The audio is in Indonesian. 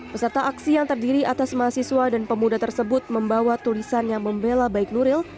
peserta aksi yang terdiri atas mahasiswa dan pemuda tersebut membawa tulisannya membela baik nuril